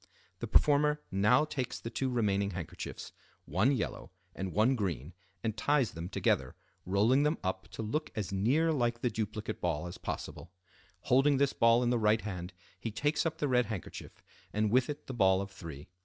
The performer now takes the two remaining handkerchiefs, one yellow and one green, and ties them together, rolling them up to look as near like the duplicate ball as possible. Holding this ball in the right hand, he takes up the red handkerchief, and with it the ball of three.